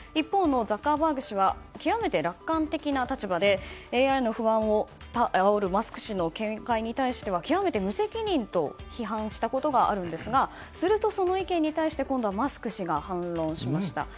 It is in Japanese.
一方のザッカーバーグ氏は極めて楽観的な立場でＡＩの不安をあおるマスク氏に対して無責任と批判したことがあるんですがするとその意見に対してマスク氏が反論しました。